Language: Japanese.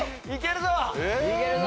いけるぞ！